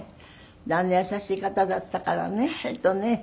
あんな優しい方だったからねきっとね。